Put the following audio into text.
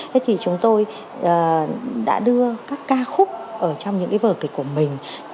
thế thì chúng tôi đã đưa các ca khúc ở trong những cái vở kịch của mình